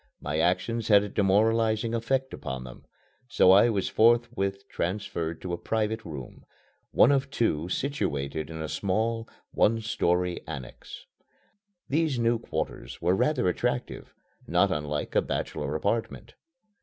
My actions had a demoralizing effect upon them; so I was forthwith transferred to a private room, one of two situated in a small one story annex. These new quarters were rather attractive, not unlike a bachelor apartment.